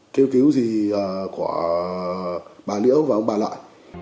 kêu cứu gì của bà nữ và ông bà nội